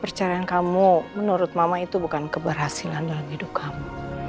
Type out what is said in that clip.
percayaan kamu menurut mama itu bukan keberhasilan dalam hidup kamu